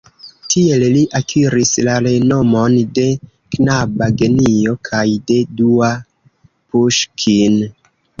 Tiel li akiris la renomon de knaba genio kaj de "dua Puŝkin".